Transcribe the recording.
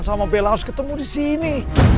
kenapa firman sama bella harus ketemu disini